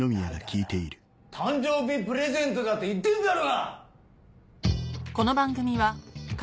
だから誕生日プレゼントだと言ってんだろ！